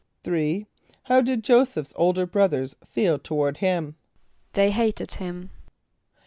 = =3.= How did J[=o]´[s+]eph's older brothers feel toward him? =They hated him.